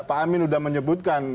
pak amin sudah menyebutkan